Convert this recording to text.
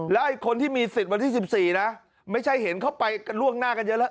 แล้วคนที่มีสิทธิ์วันที่๑๔นะไม่ใช่เห็นเขาไปกันล่วงหน้ากันเยอะแล้ว